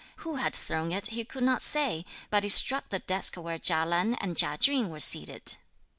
Who had thrown it he could not say, but it struck the desk where Chia Lan and Chia Chün were seated.